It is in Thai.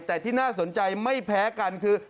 แต่ที่น่าสนใจไม่แพ้กันคือ